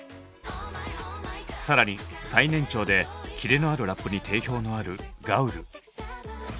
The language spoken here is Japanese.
更に最年長でキレのあるラップに定評のあるガウル。